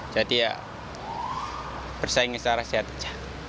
jadi ya bersaing secara sehat aja